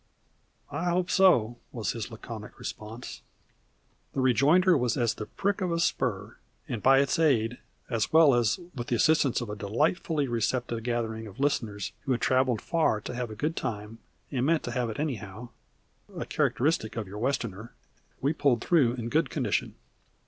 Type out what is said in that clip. "I hope so!" was his laconic response. The rejoinder was as the prick of a spur, and by its aid, as well as with the assistance of a delightfully receptive gathering of listeners who had traveled far to have a good time, and meant to have it anyhow a characteristic of your Westerner we pulled through in good condition.